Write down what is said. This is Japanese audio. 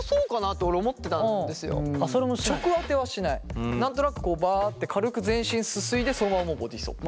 直当てはしない何となくこうバッて軽く全身すすいでそのままもうボディーソープ。